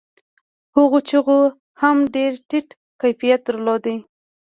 هغو چيغو هم ډېر ټيټ کيفيت درلود.